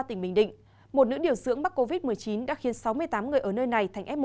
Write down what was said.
tỉnh bình định một nữ điều dưỡng mắc covid một mươi chín đã khiến sáu mươi tám người ở nơi này thành f một